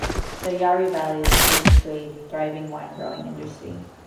The Yarra Valley is host to a thriving wine growing industry.